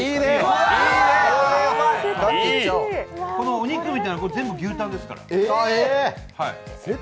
お肉みたいな全部、牛タンですから。